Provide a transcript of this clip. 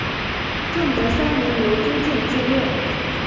正德三年由朱鉴接任。